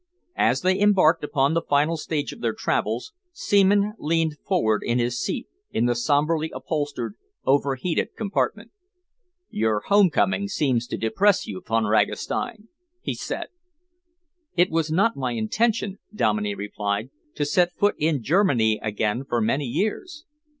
As they embarked upon the final stage of their travels, Seaman leaned forward in his seat in the sombrely upholstered, overheated compartment. "Your home coming seems to depress you, Von Ragastein," he said. "It was not my intention," Dominey replied, "to set foot in Germany again for many years."